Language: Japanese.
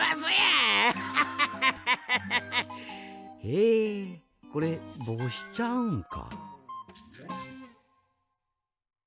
えこれぼうしちゃうんか。